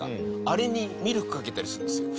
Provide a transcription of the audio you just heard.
あれにミルクかけたりするんですよ。